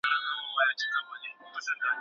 ولې کورني شرکتونه ساختماني مواد له هند څخه واردوي؟